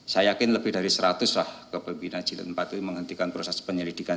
saya yakin lebih dari seratus lah kepemimpinan jilid empat itu menghentikan proses penyelidikan